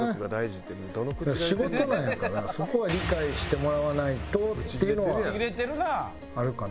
仕事なんやからそこは理解してもらわないとっていうのはあるかな。